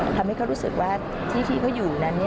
ทำให้เขารู้สึกว่าที่พี่เขาอยู่นั้น